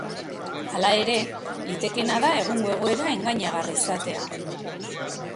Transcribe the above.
Hala ere, litekeena da egungo egoera engainagarri izatea.